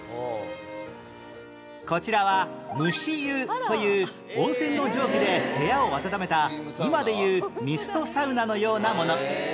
こちらは蒸し湯という温泉の蒸気で部屋を暖めた今で言うミストサウナのようなもの